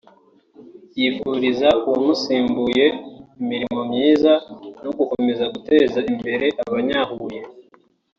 yifuriza uwamusimbuye imirimo myiza no gukomeza guteza imbere abanya-Huye